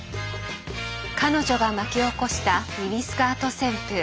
彼女が巻き起こしたミニスカート旋風。